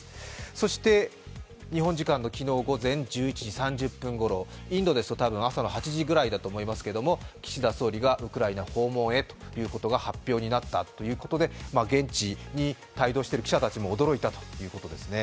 そして日本時間の昨日午前１１時３０分ごろ、インドだと、朝の８時ぐらいだと思いますけど岸田総理がウクライナ訪問へということが発表になったということで、現地に帯同している記者たちも驚いたということです。